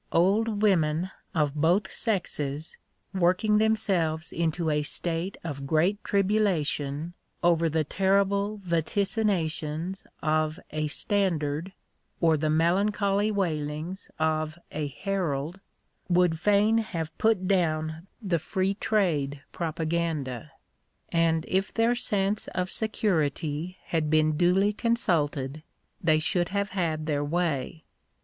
Old women of both sexes working themselves into a state of great tribulation over the terrible vaticinations of a Standard, or the melancholy waitings of a Herald, would fain have put down the Free Trade propaganda; and if their "sense of security" had been duly consulted, they should have had their way.